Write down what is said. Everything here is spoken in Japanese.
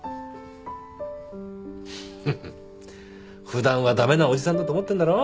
普段は駄目なおじさんだと思ってんだろ？